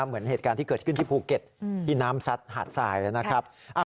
เหมือนเหตุการณ์ที่เกิดขึ้นที่ภูเก็ตที่น้ำซัดหาดทรายนะครับ